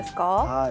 はい。